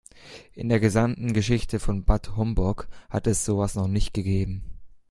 In der gesamten Geschichte von Bad Homburg hat es sowas noch nicht gegeben.